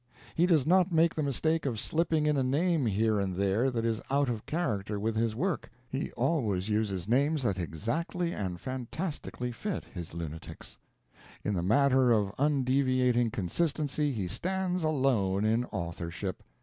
He does not make the mistake of slipping in a name here and there that is out of character with his work; he always uses names that exactly and fantastically fit his lunatics. In the matter of undeviating consistency he stands alone in authorship.